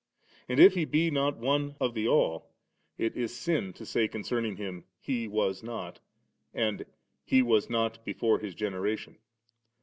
And, if He be not one of the all ^ it is sin to say concerning Him, ^ He was not,' and * He was not before His generation.'